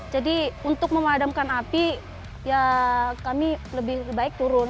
jadi untuk memadamkan api ya kami lebih baik turun